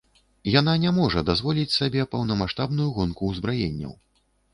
Яна не можа дазволіць сабе поўнамаштабную гонку ўзбраенняў.